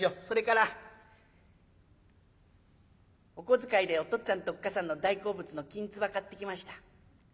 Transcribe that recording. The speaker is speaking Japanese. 「それからお小遣いでお父っつぁんとおっ母さんの大好物のきんつば買ってきました。